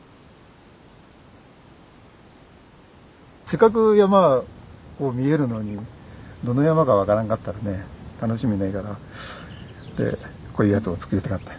せっかく山こう見えるのにどの山か分からんかったらね楽しみないからでこういうやつを作りたかった。